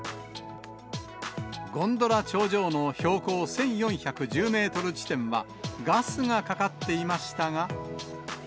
ゴンドラ頂上の標高１４１０メートル地点は、ガスがかかっていましたが。